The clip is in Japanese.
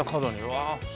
わあ。